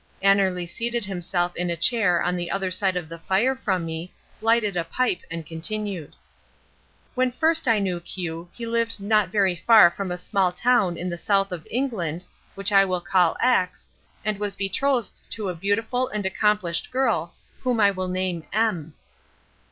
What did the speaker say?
Annerly seated himself in a chair on the other side of the fire from me, lighted a pipe and continued. "When first I knew Q he lived not very far from a small town in the south of England, which I will call X, and was betrothed to a beautiful and accomplished girl whom I will name M."